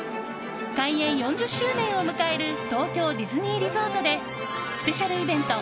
開園４０周年を迎える東京ディズニーリゾートでスペシャルイベント